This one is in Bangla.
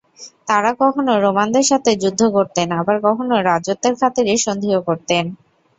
তারা কখনো রোমানদের সাথে যুদ্ধ করতেন আবার কখনো রাজত্বের খাতিরে সন্ধি ও করতেন।